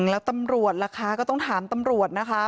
แล้วตำรวจล่ะคะก็ต้องถามตำรวจนะคะ